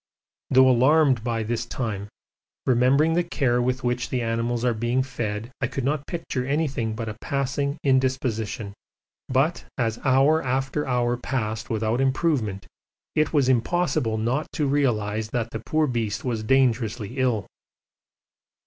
Although alarmed by this time, remembering the care with which the animals are being fed I could not picture anything but a passing indisposition. But as hour after hour passed without improvement, it was impossible not to realise that the poor beast was dangerously ill.